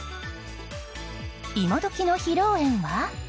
今どきの披露宴は？